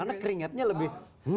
karena keringatnya lebih